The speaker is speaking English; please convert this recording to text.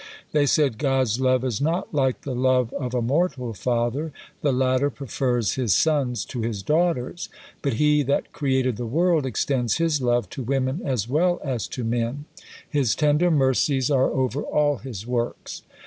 They said: "God's love is not like the love of a mortal father; the latter prefers his sons to his daughters, but He that created the world extends His love to women as well as to men, 'His tender mercies are over all His works.'"